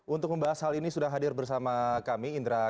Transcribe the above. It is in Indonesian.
untuk membahas hal ini sudah hadir bersama kami indra